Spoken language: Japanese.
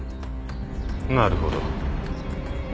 なるほど。